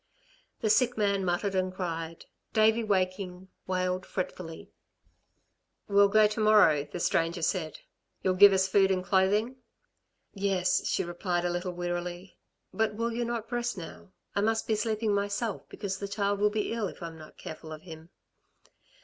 The sick man muttered and cried; Davey waking, wailed fretfully. "We'll go to morrow," the stranger said. "You'll give us food and clothing?" "Yes," she replied a little wearily. "But will you not rest now? I must be sleeping myself because the child will be ill if I'm not careful of him."